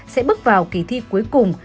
sẽ bước vào kỳ thi cuối cùng